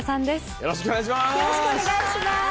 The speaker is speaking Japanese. よろしくお願いします。